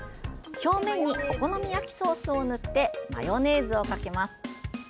表面にお好み焼きソースを塗ってマヨネーズをかけます。